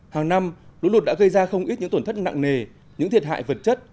hàng năm lũ lụt đã gây ra không ít những tổn thất nặng nề những thiệt hại vật chất